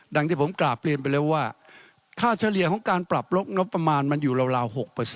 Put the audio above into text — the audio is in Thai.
ที่ผมกราบเรียนไปแล้วว่าค่าเฉลี่ยของการปรับลดงบประมาณมันอยู่ราว๖